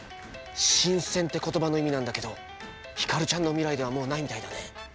「新鮮」って言葉の意味なんだけどヒカルちゃんの未来ではもうないみたいだね。